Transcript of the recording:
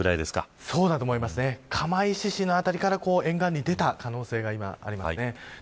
釜石市の辺りから沿岸に出た可能性が今、ありますね。